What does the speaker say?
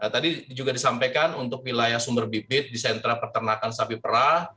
tadi juga disampaikan untuk wilayah sumber bibit di sentra peternakan sapi perah